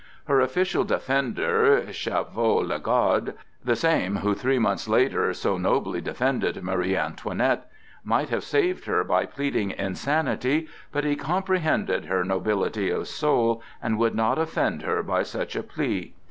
Her official defender, Chauveau Lagarde,—the same who three months later so nobly defended Marie Antoinette,—might have saved her by pleading insanity, but he comprehended her nobility of soul and would not offend her by such a plea.